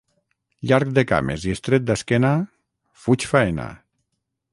Llarg de cames i estret d'esquena: fuig faena.